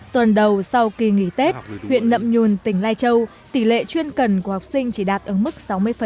tuần đầu sau kỳ nghỉ tết huyện nậm nhùn tỉnh lai châu tỷ lệ chuyên cần của học sinh chỉ đạt ở mức sáu mươi